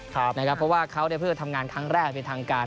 เพราะว่าเขาเพิ่งทำงานครั้งแรกเป็นทางการ